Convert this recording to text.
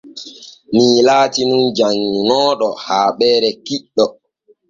Mii laatin nun janŋunooɗo haaɓeere kiɗɗo.